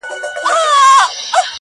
هندي لبانو دې سور اور د دوزخ ماته راوړ~